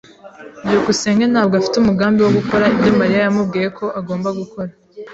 byukusenge ntabwo afite umugambi wo gukora ibyo Mariya yamubwiye ko agomba gukora.